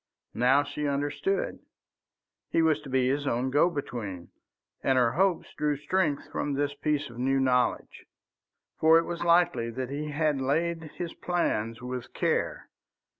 Now she understood: he was to be his own go between, and her hopes drew strength from this piece of new knowledge. For it was likely that he had laid his plans with care.